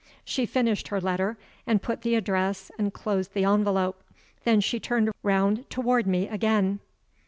She finished her letter, and put the address, and closed the envelope. Then she turned round toward me again.